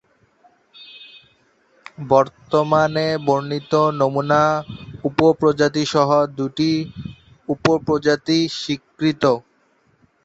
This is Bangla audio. বর্তমানে বর্ণিত নমুনা উপ-প্রজাতি সহ দুটি উপপ্রজাতি স্বীকৃত।